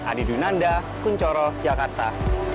adi dunanda kunchoro jakarta